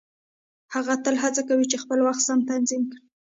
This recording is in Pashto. هغه تل هڅه کوي چې خپل وخت سم تنظيم کړي.